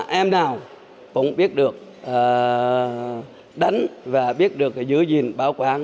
trường là em nào cũng biết được đánh và biết được giữ gìn bảo quản